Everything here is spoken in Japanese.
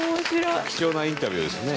伊達：貴重なインタビューでしたね。